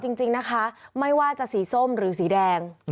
จริงนะคะไม่ว่าจะสีส้มหรือสีแดง